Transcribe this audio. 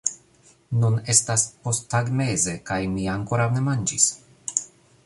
Nun estas posttagmeze kaj mi ankoraŭ ne manĝis